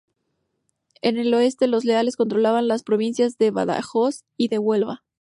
En el oeste los leales controlaban las provincias de Badajoz y de Huelva.